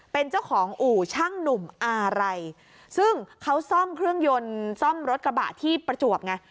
เป็นเจ้าของอู่ช่างหนุ่มอารัยซึ่งเขาซ่อมเครื่องยนต์ซ่อมรถกระบะที่ประจวบไง